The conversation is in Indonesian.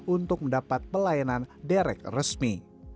untuk mendapat pelayanan derek resmi